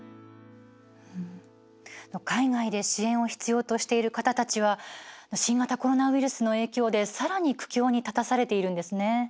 海外で支援を必要としている方たちは新型コロナウイルスの影響でさらに苦境に立たされているんですね。